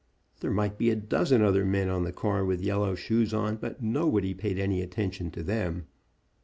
There might be a dozen other men on the car with yellow shoes on, but nobody paid any attention to them.